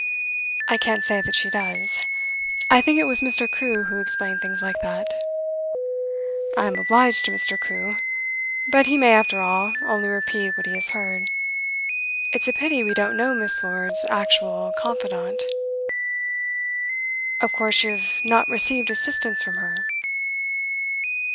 'I can't say that she does. I think it was Mr. Crewe who explained things like that.' 'I am obliged to Mr. Crewe. But he may, after all, only repeat what he has heard. It's a pity we don't know Miss. Lord's actual confidante.' 'Of course you have not received assistance from her?